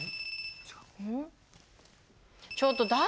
ちょっと誰？